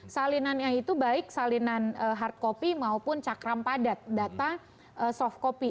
salinannya itu baik salinan hard copy maupun cakram padat data soft copy